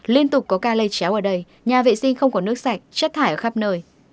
liên tục có ca lây chéo ở đây nhà vệ sinh không có nước sạch chất thải ở khắp nơi